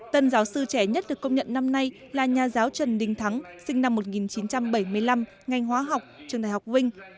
tân giáo sư trẻ nhất được công nhận năm nay là nhà giáo trần đình thắng sinh năm một nghìn chín trăm bảy mươi năm ngành hóa học trường đại học vinh